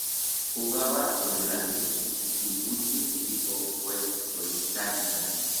Jugaba de volante y su último equipo fue Corinthians.